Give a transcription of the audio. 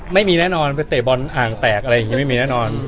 ไม่มีแน่นอนไปเตะบอลอ่างแตกอะไรอย่างนี้ไม่มีแน่นอน